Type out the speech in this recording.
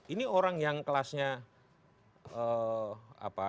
ini orang yang kelasnya